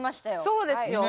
そうですよ。